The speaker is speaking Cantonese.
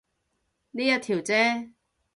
呢一條啫